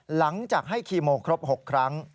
หลังจากให้คีโมครบ๖ครั้ง